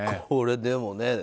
これ、でもね。